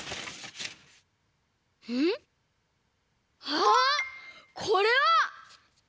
あっこれは！